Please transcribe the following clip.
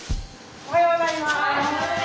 おはようございます。